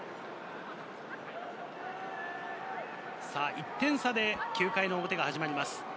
１点差で９回の表が始まります。